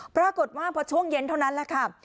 ปรากฏว่าพอช่วงเย็นเท่านั้นแหละค่ะ